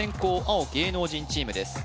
青芸能人チームです